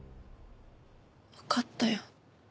わかったよ。